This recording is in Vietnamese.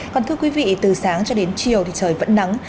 còn thưa quý vị từ sáng cho đến chiều thì trời vẫn nắng